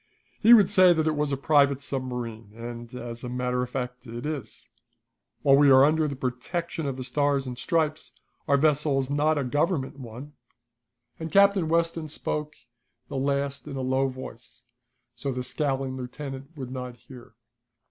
He would say that it was a private submarine, and, as a matter of fact, it is. While we are under the protection of the stars and stripes, our vessel is not a Government one," and Captain Weston spoke the last in a low voice, so the scowling lieutenant could not hear.